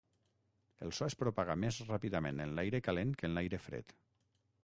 El so es propaga més ràpidament en l'aire calent que en l'aire fred.